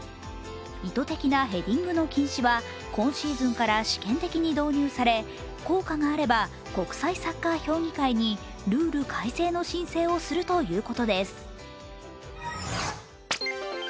意図的なヘディングの禁止は、今シーズンから試験的に導入され効果があれば、国際サッカー評議会にルール改正の申請をするということです。